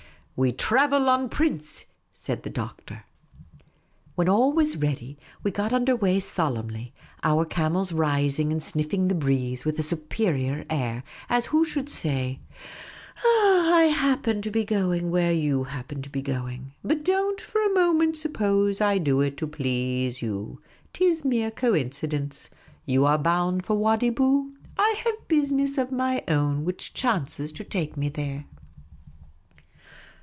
" We thravel en prince,''' said the Doctor. When all was ready we got under way solemnlj', our camels rising and sniffing the breeze with a superior air, as who should saj ," I happen to be going where you hap pen to be going ; but don't for a moment suppose I do it to please you. It is mere coincidence. You are bound for Wadi Bou ; I have business of my own which chances to take me there."